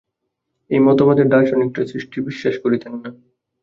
এই মতবাদের দার্শনিকরা সৃষ্টি বিশ্বাস করিতেন না।